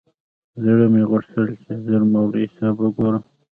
زړه مې غوښتل چې ژر مولوي صاحب وگورم.